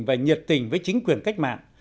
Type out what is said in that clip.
và nhiệt tình với chính quyền cách mạng